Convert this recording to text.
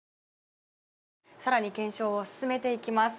更に検証を進めていきます。